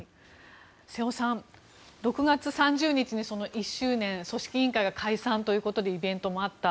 瀬尾さん、６月３０日に組織委員会が解散して１周年ということでイベントもあった。